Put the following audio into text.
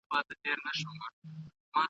خلک به د سياسي نفوذ له پاره نوي لاري ولټوي.